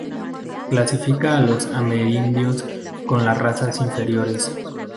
Clasifica a los amerindios con las razas inferiores.